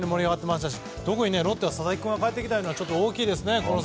特にロッテは佐々木君が帰ってきたのは大きいですね。